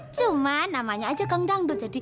cuma namanya aja gang dangdut